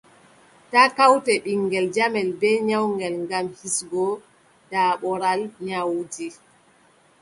Taa kawte ɓiŋngel jamel bee nyawngel, ngam hisgo daaɓoral nyawuuji.